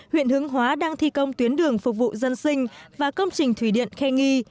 huyện hướng hóa đang thi công tuyến đường phục vụ dân sinh và công trình thủy điện khe nghi